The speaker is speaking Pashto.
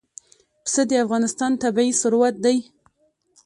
پسه د افغانستان طبعي ثروت دی.